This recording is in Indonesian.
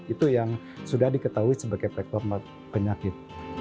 itu yang sudah diketahui sebagai faktor penyakit